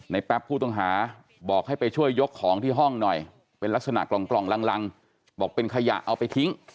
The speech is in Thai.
แป๊บผู้ต้องหาบอกให้ไปช่วยยกของที่ห้องหน่อยเป็นลักษณะกล่องลังบอกเป็นขยะเอาไปทิ้ง